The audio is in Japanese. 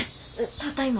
たった今。